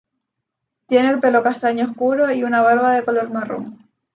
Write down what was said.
Tiene el pelo castaño oscuro y una barba de color marrón.